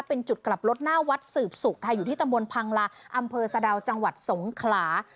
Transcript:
เป็นจุดกลับรถหน้าวัดสืบสุกค่ะอยู่ที่ตำบลพังลาอำเภอสะดาวจังหวัดสงขลา